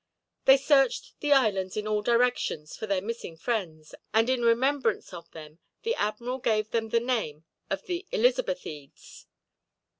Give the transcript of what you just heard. They searched the islands in all directions for their missing friends, and in remembrance of them the admiral gave them the name of the Elizabethedes.